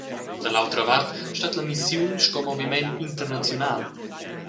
Da l’autra vart stat la missiun sco moviment internaziunal.